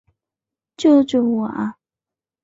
救救我啊！